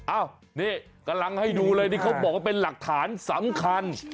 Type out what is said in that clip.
อ้าวนี่กำลังให้ดูเลยนี่เขาบอกว่าเป็นหลักฐานสำคัญ